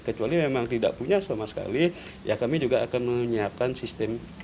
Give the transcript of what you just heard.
kecuali memang tidak punya sama sekali ya kami juga akan menyiapkan sistem